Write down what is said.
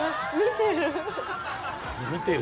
見てる。